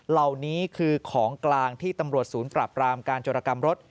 เหล่านี้คือของกลางที่ตำรวจศูนย์ปราบรามการจรกรรมรถ